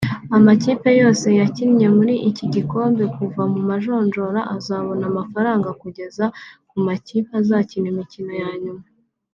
Amakipe yose yakinnye muri iki gikombe kuva mu manjojora azabona amafaranga kugeza ku makipe azakina imikino yanyuma